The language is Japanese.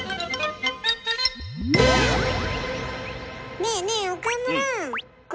ねえねえ岡村！